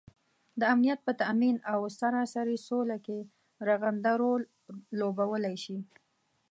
دامنیت په تآمین او سراسري سوله کې رغنده رول لوبوالی شي